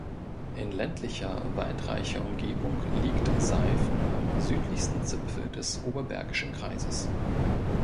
In ländlicher, waldreicher Umgebung liegt Seifen am südlichsten Zipfel des Oberbergischen Kreises.